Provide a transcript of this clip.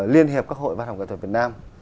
liên hiệp các hội văn học nghệ thuật việt nam